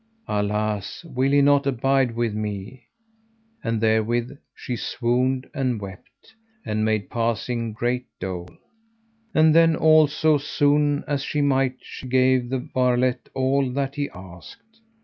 Alas, will he not abide with me? and therewith she swooned and wept, and made passing great dole. And then also soon as she might she gave the varlet all that he asked.